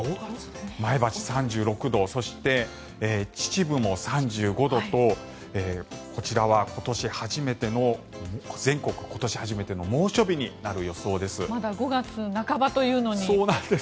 前橋、３６度そして、秩父も３５度とこちらは全国今年初めてのまだ５月半ばというのに。